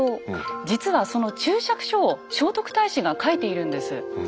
実はその注釈書を聖徳太子が書いているんです。